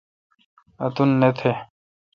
اُنت نہ تہ۔